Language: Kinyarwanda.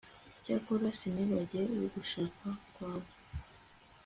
cyakora sinibagiwe ugushaka kwawe